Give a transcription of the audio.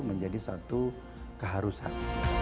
menjadi satu keharusan